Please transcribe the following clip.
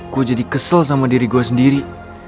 gue jadi kesel sama diri gue sendiri